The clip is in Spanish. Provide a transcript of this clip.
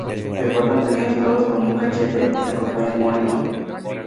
Se cortan pequeños trozos con un machete y se acompaña con un limón.